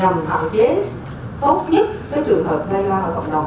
nhằm hạn chế tốt nhất trường hợp lây lan ở cộng đồng